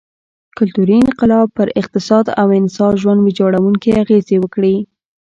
کلتوري انقلاب پر اقتصاد او انسا ژوند ویجاړوونکې اغېزې وکړې.